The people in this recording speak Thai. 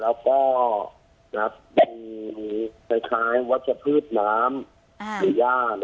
แล้วก็มีคล้ายวัชพืชน้ำหรือย่า